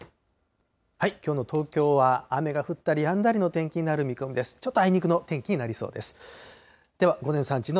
きょうの東京は雨が降ったりやんだりの天気になる見込みです。